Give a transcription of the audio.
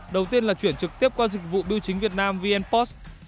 đầu tiên là chuyển trực tiếp qua dịch vụ biêu chính việt nam vnpost